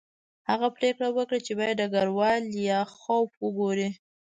هغه پریکړه وکړه چې باید ډګروال لیاخوف وګوري